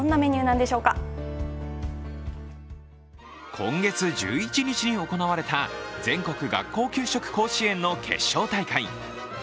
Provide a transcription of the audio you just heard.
今月１１日に行われた全国学校給食甲子園の決勝大会。